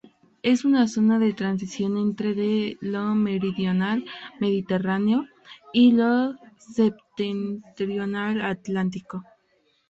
Es una zona de transición entre de lo meridional mediterráneo y lo septentrional atlántico.